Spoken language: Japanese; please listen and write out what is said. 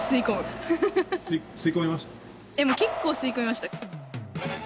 吸い込みました？